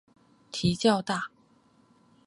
蹄较大。